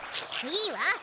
いいわ。